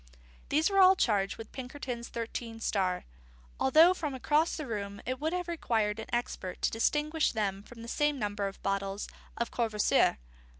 These were all charged with Pinkerton's Thirteen Star, although from across the room it would have required an expert to distinguish them from the same number of bottles of Courvoisier.